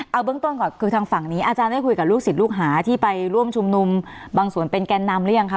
เอาเบื้องต้นก่อนคือทางฝั่งนี้อาจารย์ได้คุยกับลูกศิษย์ลูกหาที่ไปร่วมชุมนุมบางส่วนเป็นแกนนำหรือยังคะ